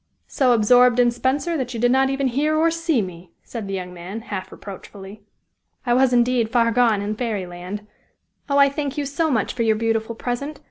"So absorbed in Spenser that you did not even hear or see me!" said the young man, half reproachfully. "I was indeed far gone in Fairy Land! Oh, I thank you so much for your beautiful present!